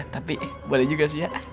tapi eh boleh juga sih ya